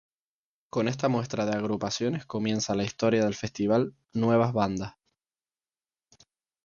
Con esta muestra de agrupaciones, comienza la historia del Festival Nuevas Bandas.